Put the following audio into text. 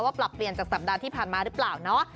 ปรับเปลี่ยนจากสัปดาห์ที่ผ่านมาหรือเปล่าเนาะ